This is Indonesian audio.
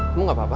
kamu gak apa apa